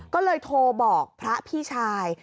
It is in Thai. ก็เลยโทรบอกพระพี่ชาย